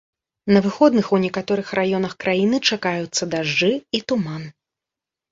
На выходных у некаторых раёнах краіны чакаюцца дажджы і туман.